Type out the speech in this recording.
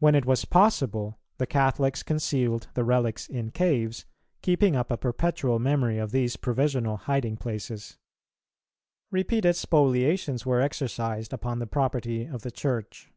When it was possible, the Catholics concealed the relics in caves, keeping up a perpetual memory of these provisional hiding places.[277:1] Repeated spoliations were exercised upon the property of the Church.